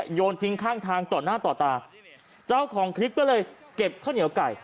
โยนทิ้งข้างทางต่อหน้าต่อตาเจ้าของคลิปก็เลยเก็บข้าวเหนียวไก่